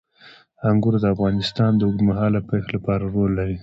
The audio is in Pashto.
انګور د افغانستان د اوږدمهاله پایښت لپاره رول لري.